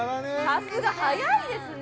さすが早いですね